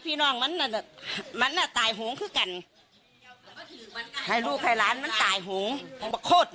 พี่น้องมันอ่ะมันอ่ะตายหงค์คือกันไข่ลูกไข่ล้านมันตายหงค์โคตร